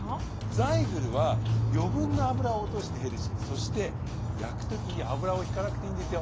ザイグルは余分な脂を落としてヘルシーそして焼くときに油をひかなくていいんですよ。